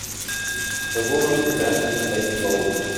A woman preparing to glaze a bowl.